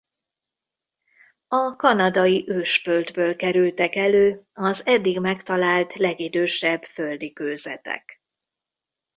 A Kanadai-ősföldből kerültek elő az eddig megtalált legidősebb földi kőzetek.